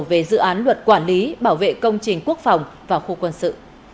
về dự án luật quản lý bảo vệ công trình quốc phòng và khu quân sự